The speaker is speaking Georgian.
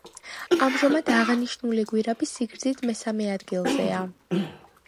ამჟამად აღნიშნული გვირაბი სიგრძით მესამე ადგილზეა.